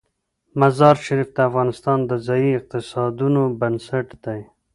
مزارشریف د افغانستان د ځایي اقتصادونو بنسټ دی.